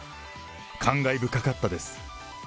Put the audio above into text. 感慨深かったです。